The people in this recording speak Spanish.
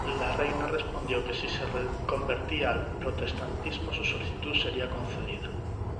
La reina respondió que se si se convertía al protestantismo su solicitud sería concedida.